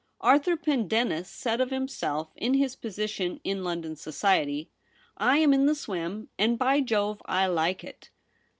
Arthur Pendennis said of himself and his position in London Society, ' I am in the swim, and, by Jove ! I like it.'